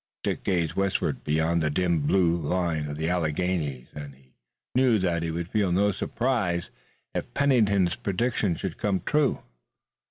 Dick gazed westward beyond the dim blue line of the Alleghanies, and he knew that he would feel no surprise if Pennington's prediction should come true.